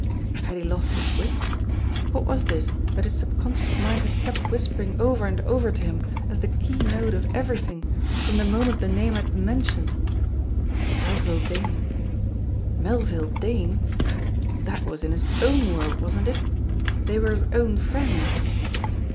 Had he lost his wits ? What was this that his subconscious LITTLE SWEENEY 139 mind had kept whispering over and over to him as the key note of everything from the moment the name had been mentioned? Melville Dane! Melville Dane! That was in his own world, wasn't it? They were his own friends.